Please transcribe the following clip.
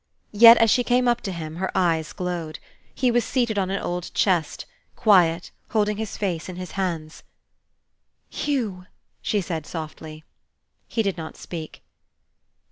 Yet, as she came up to him, her eyes glowed. He was seated on an old chest, quiet, holding his face in his hands. "Hugh!" she said, softly. He did not speak.